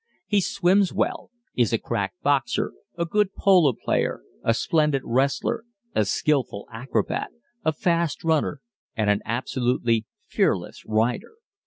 He swims well, is a crack boxer, a good polo player, a splendid wrestler, a skilful acrobat, a fast runner, and an absolutely fearless rider.